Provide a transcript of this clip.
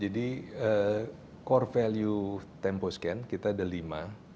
jadi core value temposcan kita ada lima